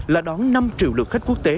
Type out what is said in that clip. là đón năm triệu lượt khách quốc tế